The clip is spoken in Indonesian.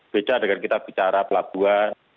beda dengan kita bicara pelabuhan